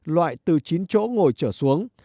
loại từ chín chỗ ngồi chở xuống